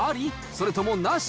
それともなし？